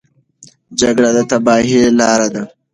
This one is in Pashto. جګړه د تباهۍ لاره ده.